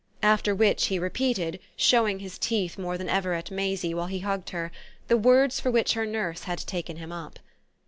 after which he repeated, showing his teeth more than ever at Maisie while he hugged her, the words for which her nurse had taken him up.